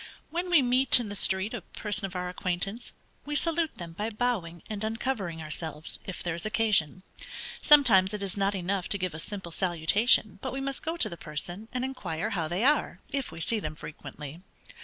When we meet, in the street, a person of our acquaintance, we salute them by bowing and uncovering ourselves, if there is occasion. Sometimes it is not enough to give a simple salutation, but we must go to the person and inquire how they are, if we see them frequently.